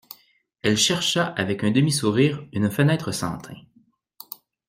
Elle chercha avec un demi-sourire une fenêtre sans tain.